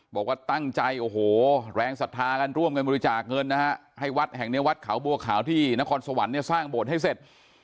บอกว่าตั้งใจโอ้โหแรงศรัทธากันร่วมกันบริจาคเงินนะฮะให้วัดแห่งเนี้ยวัดเขาบัวขาวที่นครสวรรค์เนี่ยสร้างโบสถ์ให้เสร็จ